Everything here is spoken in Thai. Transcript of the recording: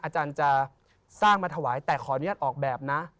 อาจารย์จะสร้างมาถวายแต่ขออนุญาตออกแบบนะ